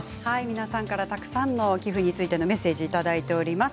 皆さんからたくさんのメッセージをいただいています。